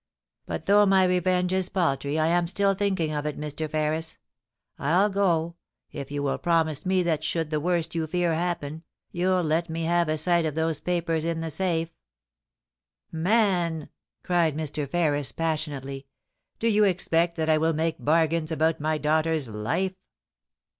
But though my revenge is paltry, I am still thinking of it, Mr. Ferris. I'll go, if you will promise me that should the worst you fear happen, you'll let me have a sight of those papers in the safe.' *Man!' cried Mr. Ferris, passionately, *do you expect that I will make bargains about my daughter's life